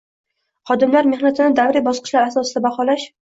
Xodimlar mehnatini davriy bosqichlar asosida baholash